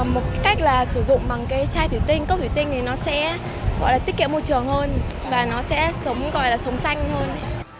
một cách là sử dụng bằng cái chai thủy tinh cốc thủy tinh thì nó sẽ gọi là tiết kiệm môi trường hơn và nó sẽ sống gọi là sống xanh hơn